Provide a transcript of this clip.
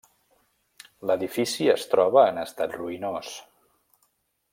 L'edifici es troba en estat ruïnós.